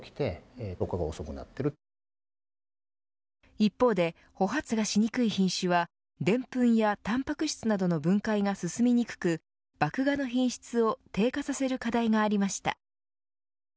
一方で、穂発芽しにくい品種はでんぷんやタンパク質などの分解が進みにくく麦芽の品質を低下させる課題がありました。